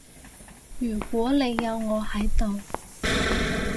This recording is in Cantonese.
如果你有我喺度